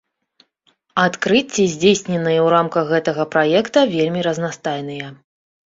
Адкрыцці, здзейсненыя ў рамках гэтага праекта, вельмі разнастайныя.